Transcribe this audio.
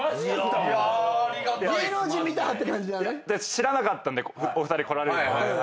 知らなかったんでお二人来られるの。